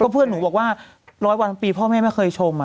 เพื่อนหนูบอกว่าร้อยวันปีพ่อแม่ไม่เคยชม